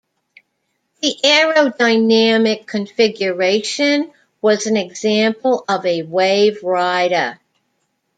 The aerodynamic configuration was an example of a waverider.